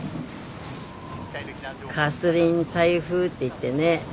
カスリーン台風っていってね